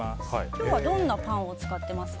今日はどんなパンを使ってますか？